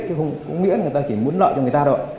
chứ không có nghĩa là người ta chỉ muốn lợi cho người ta đâu